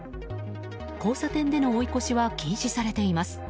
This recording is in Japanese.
交差点での追い越しは禁止されています。